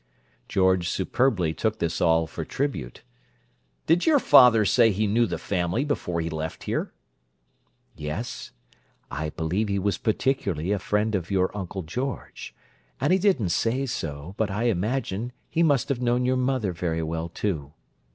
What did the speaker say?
George superbly took this all for tribute. "Did your father say he knew the family before he left here?" "Yes. I believe he was particularly a friend of your Uncle George; and he didn't say so, but I imagine he must have known your mother very well, too.